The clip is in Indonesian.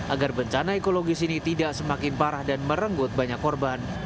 agar bencana ekologis ini tidak semakin parah dan merenggut banyak korban